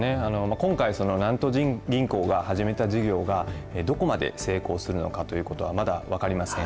今回、その南都銀行が始めた事業が、どこまで成功するのかということは、まだ分かりません。